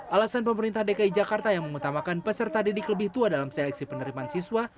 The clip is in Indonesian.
alasan pemerintah dki jakarta yang mengutamakan peserta didik lebih tua dalam seleksi penerimaan siswa